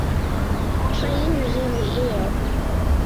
Change is in the air.